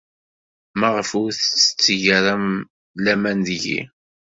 Maɣef ur tetteg ara laman deg-i?